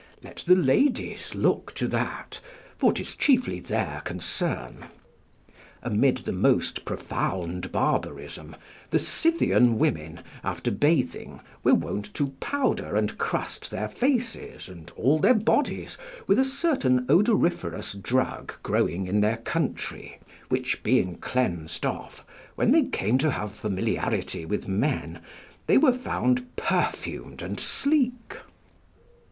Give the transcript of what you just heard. Let the ladies look to that, for 'tis chiefly their concern: amid the most profound barbarism, the Scythian women, after bathing, were wont to powder and crust their faces and all their bodies with a certain odoriferous drug growing in their country, which being cleansed off, when they came to have familiarity with men they were found perfumed and sleek.